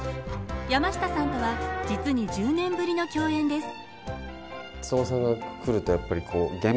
山下さんとは実に１０年ぶりの共演です。